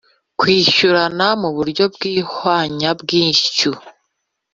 kwishyurana mu buryo bw ihwanyabwishyu